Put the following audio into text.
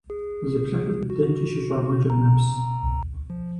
Зыплъыхьыт – дэнкӀи щыщӀагъэкӀыр нэпс…